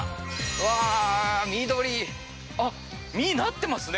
わあー緑あっ実なってますね